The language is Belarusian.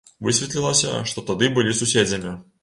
Высветлілася, што тады былі суседзямі.